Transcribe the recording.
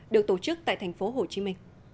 được tổ chức tại tp hcm